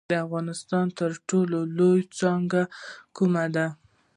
د افغانستان تر ټولو لوړه څوکه کومه ده؟